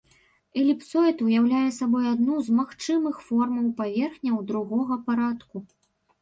Эліпсоід ўяўляе сабой адну з магчымых формаў паверхняў другога парадку.